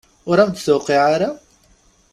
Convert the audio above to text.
Ur am-d-tuqiɛ ara?